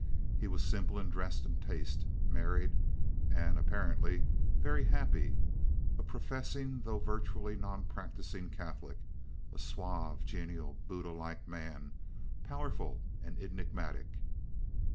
He was simple in dress and taste, married and (apparently) very happy, a professing though virtually non practising Catholic, a suave, genial Buddha like man, powerful and enigmatic.